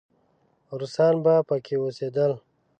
روسان به پکې اوسېدل.